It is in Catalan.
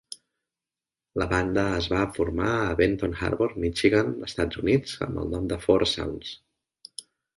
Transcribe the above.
La banda es va formar a Benton Harbor, Michigan, Estats Units, amb el nom de Four Sounds.